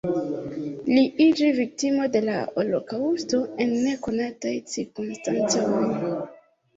Li iĝi viktimo de la holokaŭsto en nekonataj cirkonstancoj.